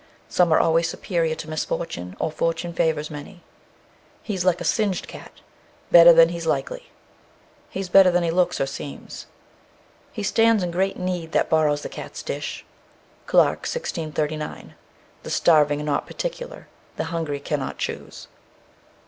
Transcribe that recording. _ Some are always superior to misfortune, or fortune favours many. He's like a singed cat, better than he's likely. He's better than he looks or seems. He stands in great need that borrows the cat's dish. CLARKE, 1639. The starving are not particular. The hungry cannot choose.